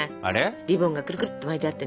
リボンがくるくるって巻いてあってね。